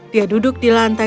dia duduk di lantai